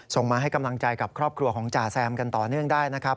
ส่งมาให้กำลังใจกับครอบครัวของจ่าแซมกันต่อเนื่องได้นะครับ